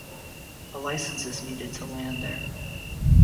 A licence is needed to land there.